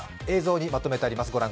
映像にまとめてあります。